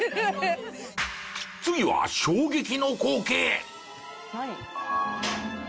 次は衝撃の光景！